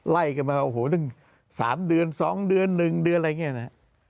ไล่กันมาโอ้โหตั้ง๓เดือน๒เดือน๑เดือนอะไรอย่างนี้นะ